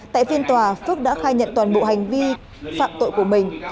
tại phiên tòa phước đã khai nhận toàn bộ hành vi phạm tội của mình